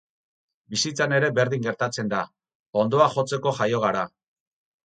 Bizitzan ere berdin gertatzen da, hondoa jotzeko jaio gara.